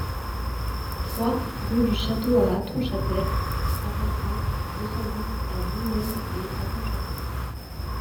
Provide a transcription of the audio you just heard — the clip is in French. trois rue du Château à Hattonchâtel, cinquante-cinq, deux cent dix à Vigneulles-lès-Hattonchâtel